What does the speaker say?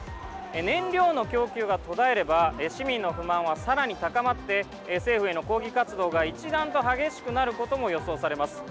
燃料の供給が途絶えれば市民の不満はさらに高まって政府への抗議活動が一段と激しくなることも予想されます。